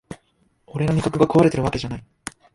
俺の味覚がこわれてるわけじゃない